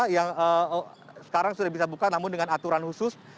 yang sekarang sudah bisa buka namun dengan aturan khusus